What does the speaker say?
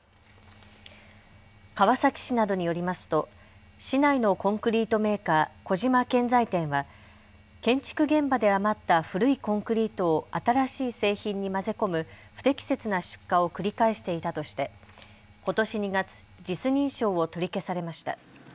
川崎市などによりますと市内のコンクリートメーカー、小島建材店は建築現場で余った古いコンクリートを新しい製品に混ぜ込む不適切な出荷を繰り返していたとしてことし２月、ＪＩＳ認証を取り消されました。